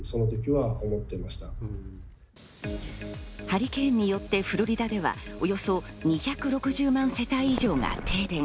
ハリケーンによってフロリダではおよそ２６０万世帯以上が停電。